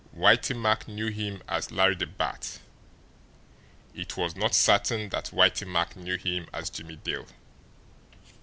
Whitey Mack knew him as Larry the Bat it was not certain that Whitey Mack knew him as Jimmie Dale.